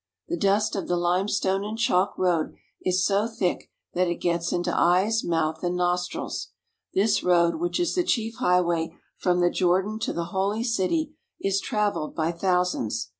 The dust of the limestone and chalk road is so thick that it gets into eyes, mouth, and nostrils. This road, which is the chief highway from the Jordan to the Holy City, is travelled by thousands.